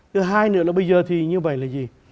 thứ hai nữa là bây giờ thì như vậy là gì